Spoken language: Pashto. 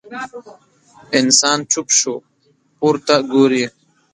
انسان چوپ شو، پورته ګوري.